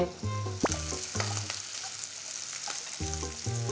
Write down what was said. はい。